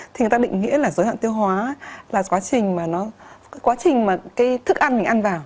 thì người ta định nghĩa là dối loạn tiêu hóa là quá trình mà cái thức ăn mình ăn vào